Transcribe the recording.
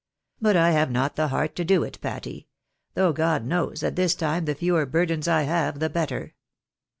But I have not the heart to do it, Patty — though, God knows, at this time the fewer burdens I have the better.